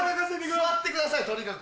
座ってくださいとにかく。